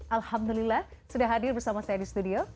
alhamdulillah sudah hadir bersama saya di studio